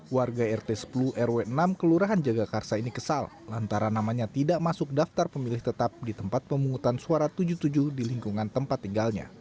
warga rt sepuluh rw enam kelurahan jagakarsa ini kesal lantaran namanya tidak masuk daftar pemilih tetap di tempat pemungutan suara tujuh puluh tujuh di lingkungan tempat tinggalnya